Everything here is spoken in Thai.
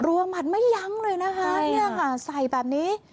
รัวหมัดไม่ยั้งเลยนะคะใสแบบนี้